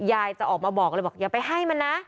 ยายจะออกมาบอกเลยบอกอย่าไปให้มันนะ